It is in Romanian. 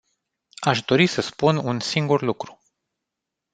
Aș dori să spun un singur lucru.